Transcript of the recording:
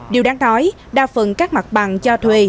điều đáng nói đa phần các mặt bằng cho thuê